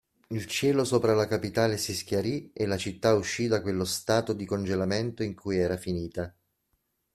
Il cielo sopra la capitale si schiarì e la città uscì da quello stato di congelamento in cui era finita.